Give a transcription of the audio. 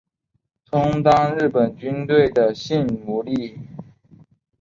充当日本军队的性奴隶